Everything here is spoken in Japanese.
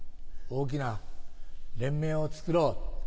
大きな連盟をつくろう。